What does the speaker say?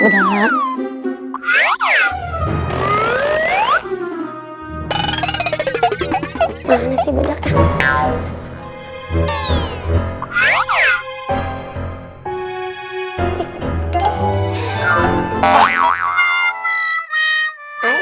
mana sih bedakan